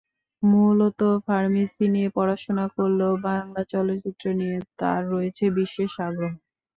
মূলত ফার্মেসি নিয়ে পড়াশোনা করলেও বাংলা চলচ্চিত্র নিয়ে তাঁর রয়েছে বিশেষ আগ্রহ।